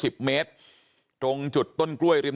บอกแล้วบอกแล้วบอกแล้ว